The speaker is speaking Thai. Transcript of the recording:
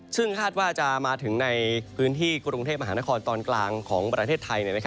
ซึ่งคาดว่าจะมาถึงในพื้นที่กรุงเทพมหานครตอนกลางของประเทศไทย